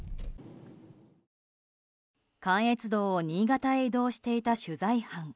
関越道を新潟へ移動していた取材班。